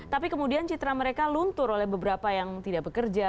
tapi kemudian citra mereka luntur oleh beberapa yang tidak bekerja